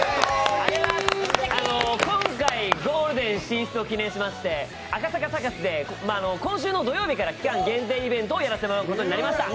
今回、ゴールデン進出を記念しまして、今週の土曜日から期間限定イベントをやらせてもらうことになりました。